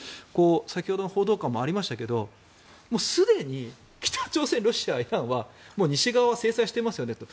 先ほどの報道官もありましたがすでに北朝鮮、ロシア、イランは西側は制裁していますよねと。